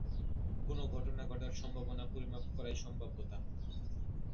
কোনো ঘটনা ঘটার সম্ভাবনা পরিমাপ করাই সম্ভাব্যতা।